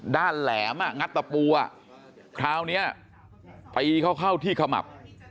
ด้านแหลมอ่ะงัดตะปูอ่ะคราวนี้ไปเข้าที่ขมับ